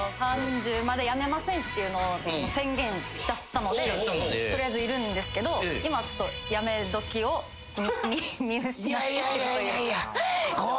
３０まで辞めませんっていうのを宣言しちゃったので取りあえずいるんですけど今辞め時を見失ってるというか。